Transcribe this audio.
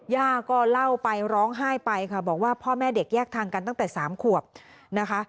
ย่าก็เล่าไปร้องไห้ไปค่ะบอกว่าพ่อแม่เด็กแยกทางกันตั้งแต่๓ขวบนะคะ